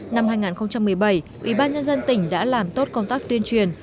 năm hai nghìn một mươi bảy ủy ban nhân dân tỉnh đã làm tốt công tác tuyên truyền